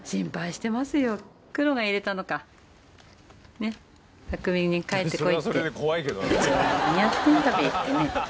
ねっ拓海に帰ってこいって。